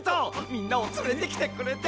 みんなをつれてきてくれて！